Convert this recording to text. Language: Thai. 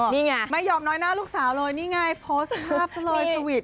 นี่ไงไม่ยอมน้อยหน้าลูกสาวเลยนี่ไงโพสต์ภาพซะเลยสวีท